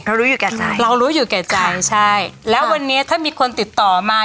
รู้อยู่แก่ใจเรารู้อยู่แก่ใจใช่แล้ววันนี้ถ้ามีคนติดต่อมา